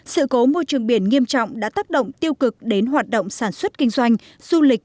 sự cố môi trường biển nghiêm trọng đã tác động tiêu cực đến hoạt động sản xuất kinh doanh du lịch